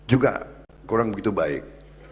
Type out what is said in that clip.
juga kurang begitu baik